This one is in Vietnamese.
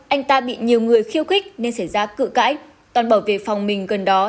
anh ta bị nhiều người khiêu khích nên xảy ra cự cãi toàn bảo vệ phòng mình gần đó